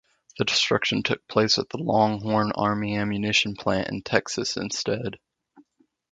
The destruction took place at Longhorn Army Ammunition Plant in Texas instead.